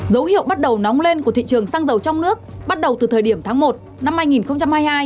dấu hiệu bắt đầu nóng lên của thị trường xăng dầu trong nước bắt đầu từ thời điểm tháng một năm hai nghìn hai mươi hai